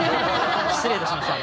失礼いたしました。